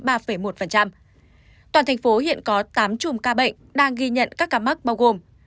toàn thành phố hiện có tám chùm ca bệnh đang ghi nhận các ca mắc bao gồm